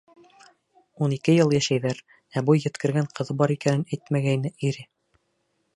Ун ике йыл йәшәйҙәр, ә буй еткергән ҡыҙы бар икәнен әйтмәгәйне ире.